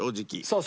そう。